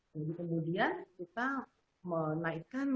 jadi kemudian kita menaikkan